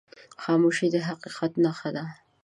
خاموشي، د حقیقت نښه ده.